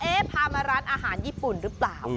พามาร้านอาหารญี่ปุ่นหรือเปล่า